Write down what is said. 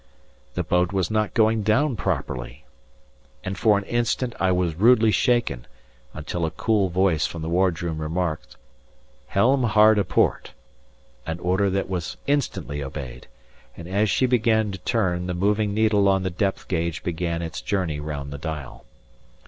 The boat was not going down properly! and for an instant I was rudely shaken, until a cool voice from the wardroom remarked, "Helm hard a port," an order that was instantly obeyed, and as she began to turn the moving needle on the depth gauge began its journey round the dial.